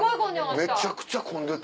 めちゃくちゃ混んでた。